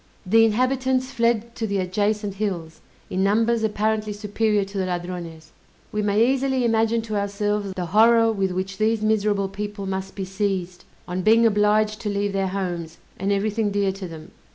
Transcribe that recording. The inhabitants fled to the adjacent hills, in numbers apparently superior to the Ladrones. We may easily imagine to ourselves the horror with which these miserable people must be seized, on being obliged to leave their homes, and everything dear to them.